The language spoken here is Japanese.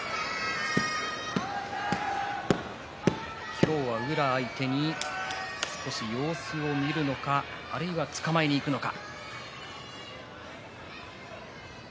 今日は宇良相手に様子を見るのかあるいは、つかまえにいくのか。